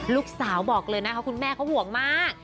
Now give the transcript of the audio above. ลูกสาวบอกเลยนะคะคุณแม่เขาห่วงมาก